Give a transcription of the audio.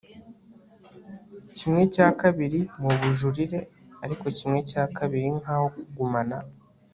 Kimwe cya kabiri mu bujurire ariko kimwe cya kabiri nkaho kugumana